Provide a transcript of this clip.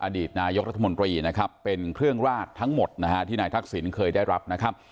อดีตนายกรัฐมนตรีนะครับเป็นเครื่องราดทั้งหมดนะฮะที่นายทักษิณเคยได้รับนะครับ